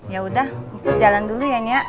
ya udah mumpet jalan dulu ya nya